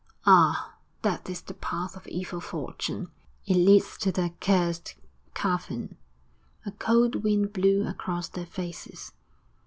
'Ah! that is the path of evil fortune. It leads to the accursed cavern.' A cold wind blew across their faces.